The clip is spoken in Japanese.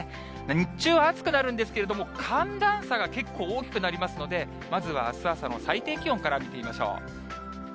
日中は暑くなるんですけれども、寒暖差が結構大きくなりますので、まずはあす朝の最低気温から見てみましょう。